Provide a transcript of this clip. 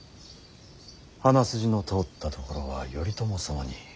鼻筋の通ったところは頼朝様似。